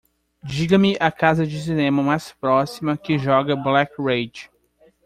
Diga-me a casa de cinema mais próxima que joga Black Rage